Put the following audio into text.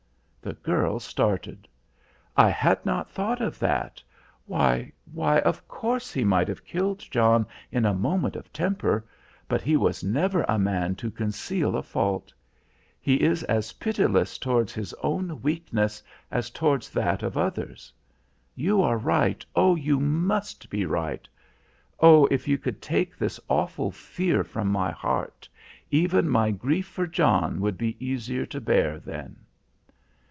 The girl started. "I had not thought of that! Why, why, of course, he might have killed John in a moment of temper, but he was never a man to conceal a fault. He is as pitiless towards his own weakness, as towards that of others. You are right, oh, you must be right. Oh, if you could take this awful fear from my heart! Even my grief for John would be easier to bear then."